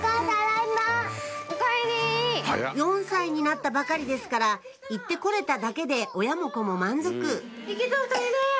４歳になったばかりですから行って来れただけで親も子も満足行けた２人で。